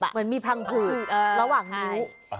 เหมือนมีพังผืดระหว่างนิ้ว